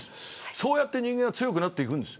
そうやって人間は強くなっていくんです。